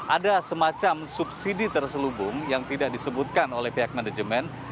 ada semacam subsidi terselubung yang tidak disebutkan oleh pihak manajemen